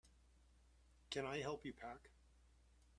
Can I help you pack?